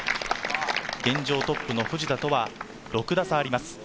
現状トップの藤田とは６打差あります。